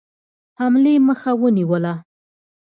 حملې مخه ونیوله.